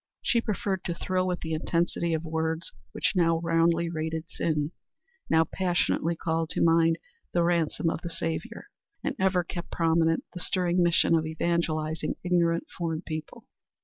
She preferred to thrill with the intensity of words which now roundly rated sin, now passionately called to mind the ransom of the Saviour, and ever kept prominent the stirring mission of evangelizing ignorant foreign people.